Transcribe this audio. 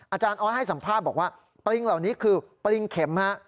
อาจารย์ออสให้สัมภาษณ์บอกว่าปริงเหล่านี้คือปริงเข็มฮะ